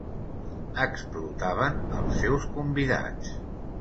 Explotaven el seus convidats.